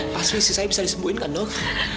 paswisi saya bisa disembuhin kan dok